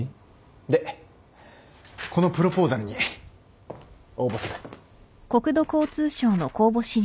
でこのプロポーザルに応募する。